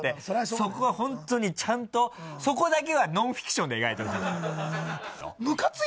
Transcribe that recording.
そこは本当にちゃんと、そこだけはノンフィクションで描いてほしい。